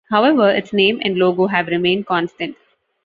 However, its name and logo have remained constant.